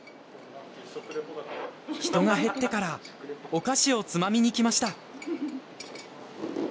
人が減ってからお菓子をつまみに来ました。